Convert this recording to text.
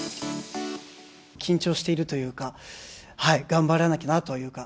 緊張しているというか、頑張らなきゃなというか。